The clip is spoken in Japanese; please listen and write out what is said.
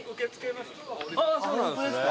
そうなんですね。